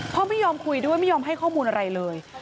พ่อไม่ยอมคุยด้วยไม่ยอมให้ข้อมูลอะไรเลย